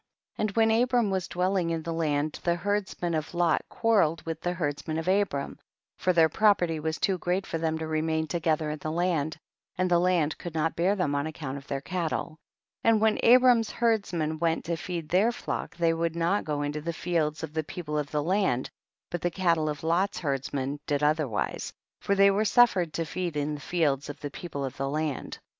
And when Abram was dwel ling in the land the herdsmen of Lot quarrelled with the herdsmen of Abram, for their property was too great for them to remain together in the land, and the land could not bear them on account of their cattle. 37. And when Abraiu's herdsmen went to feed tlieir flock they would not go into the fields of the people of the land, but the cattle of Lot's herdsmen did otherwise, for they were suffered to feed in the fields of the people of the land.